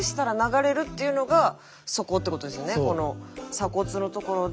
鎖骨のところで。